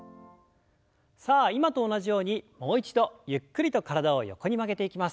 さあ今と同じようにもう一度ゆっくりと体を横に曲げていきます。